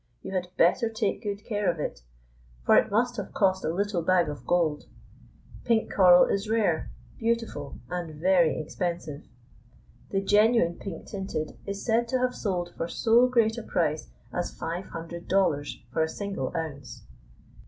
you had better take good care of it, for it must have cost a little bag of gold. Pink coral is rare, beautiful, and very expensive. The genuine pink tinted is said to have sold for so great a price as five hundred dollars for a single ounce.